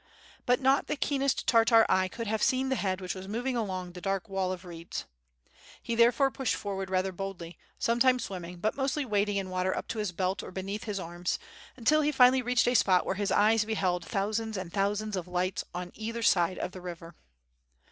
But not the keenest Tartar eye could have seen the h?ad which was moving along the dark wall of reeds. He there fore pushed forward rather boldly, sometimes swimming, but mostly wading in water up to his belt or beneath his arms, until he finally reached a spot where his eyes beheld thou sands and thousands of lights on either side of the river.